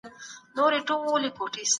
زړور خلګ به په جګړو کي نه وژل کیږي.